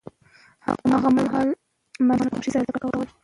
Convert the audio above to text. هغه مهال ماشومانو په خوښۍ سره زده کړه کوله.